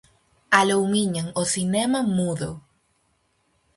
Aloumiñan o cinema mudo.